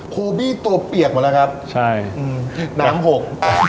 โคบี้ตัวเปียกมาแล้วครับใช่น้ำหก